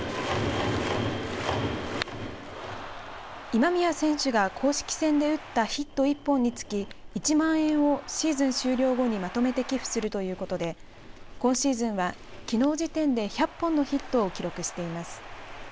今宮選手が公式戦で打ったヒット１本につき１万円をシーズン終了後にまとめて寄付するということで今シーズンは、きのう時点で１００本のヒットを記録しています。